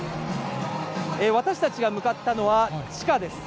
私たちが向かったのは、地下です。